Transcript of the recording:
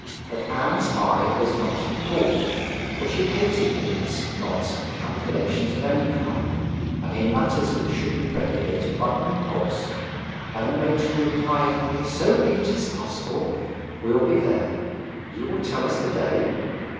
But Anne's eye was not to be caught, for she hated hints, nods, and calculations of any kind in matters which should be regulated by impulse; and the matron replied, 'If so be 'tis possible, we'll be there. You will tell us the day?'